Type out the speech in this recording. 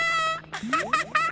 アハハハ！